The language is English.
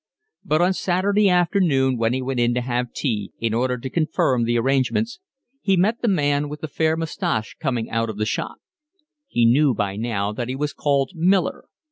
But on Saturday afternoon when he went in to have tea, in order to confirm the arrangements, he met the man with the fair moustache coming out of the shop. He knew by now that he was called Miller.